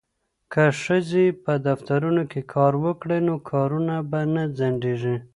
که ښځې په دفترونو کې کار وکړي نو کارونه به نه ځنډیږي.